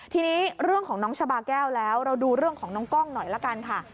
ทีนี้เรื่องของน้องชาบาแก้วแล้วเราดูเรื่องของน้องกล้องหน่อยละกันค่ะ